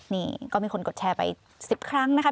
นี่ก็มีคนกดแชร์ไป๑๐ครั้งนะคะ